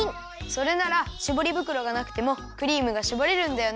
それならしぼりぶくろがなくてもクリームがしぼれるんだよね。